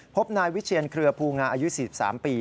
พบนายวิเชียนเครือภูงาอายุ๔๓ปี